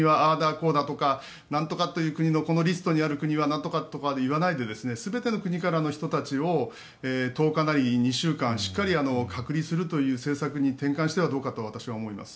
こうだとかなんとかという国のこのリストにある国はとかなんとかとかで言わないで全ての国からの人たちを１０日なり２週間しっかり隔離するという政策に転換してはどうかと私は思います。